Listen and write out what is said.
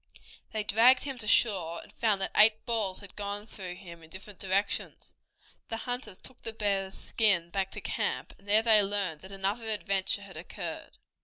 They dragged him to shore, and found that eight balls had gone through him in different directions. The hunters took the bear's skin back to camp, and there they learned that another adventure had occurred.